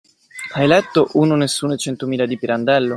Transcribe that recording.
Hai letto "Uno, Nessuno e Centomila" di Pirandello?